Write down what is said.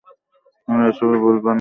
আমরা এসবে ভুলবার নয়।